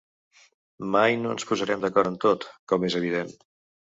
Mai no ens posarem d’acord en tot, com és evident.